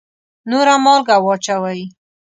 نوره مالګه واچوئ